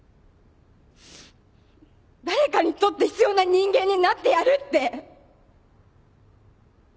誰かにとって必要な人間になってやるって。